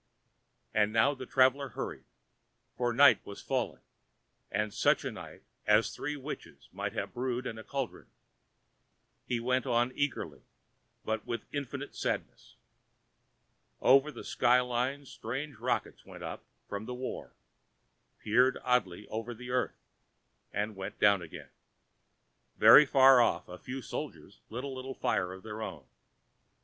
And now the traveller hurried, for night was falling, and such a night as three witches might have brewed in a cauldron. He went on eagerly but with infinite sadness. Over the sky line strange rockets went up from the war, peered oddly over the earth and went down again. Very far off a few soldiers lit a little fire of their own.